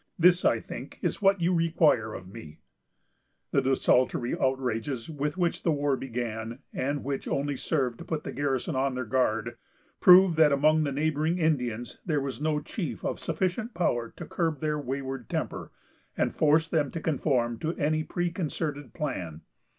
This, I think, is what you require of me." The desultory outrages with which the war began, and which only served to put the garrison on their guard, prove that among the neighboring Indians there was no chief of sufficient power to curb their wayward temper, and force them to conform to any preconcerted plan.